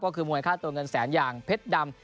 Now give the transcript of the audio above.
ก็คือมวยค่าตัวเงินแสนอย่างเพชรดำ